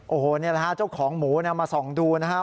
โอ้โหนี่แหละฮะเจ้าของหมูมาส่องดูนะครับ